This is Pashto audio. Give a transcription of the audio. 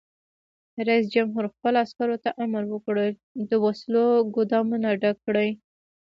رئیس جمهور خپلو عسکرو ته امر وکړ؛ د وسلو ګودامونه ډک کړئ!